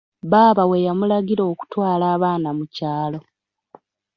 Baaba we yamulagira okutwala abaana mu kyalo.